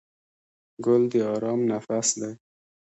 ګل د آرام نفس دی.